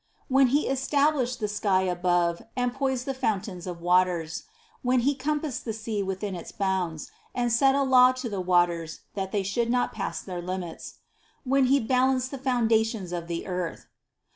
28. "When He established the sky above and poised the fountains of the waters." 29. "When He compassed the sea with its bounds, and set a law to the waters that they should not pass their limits: when He balanced the foundations of the earth."